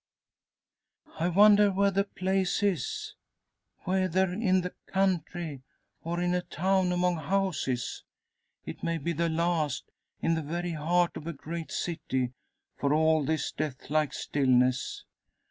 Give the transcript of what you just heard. "I wonder where the place is? Whether in the country, or in a town among houses? It may be the last in the very heart of a great city, for all this death like stillness!